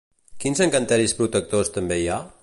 Quins encanteris protectors també hi ha?